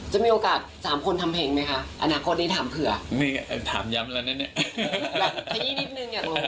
จะมีโอกาส๓คนทำเพลงไหมคะอนาคตนี้ถามเผื่อถามย้ำแล้วแน่